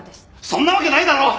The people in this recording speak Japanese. そんなわけないだろ！